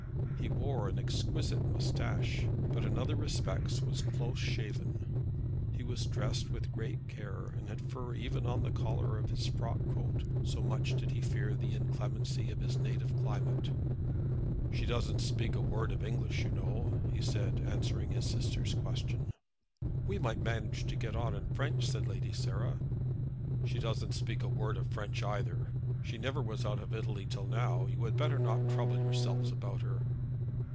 He wore an exquisite moustache, but in other respects was close shaven. He was dressed with great care, and had fur even on the collar of his frock coat, so much did he fear the inclemency of his native climate. "She doesn't speak a word of English, you know," he said, answering his sister's question. "We might manage to get on in French," said Lady Sarah. "She doesn't speak a word of French either. She never was out of Italy till now. You had better not trouble yourselves about her."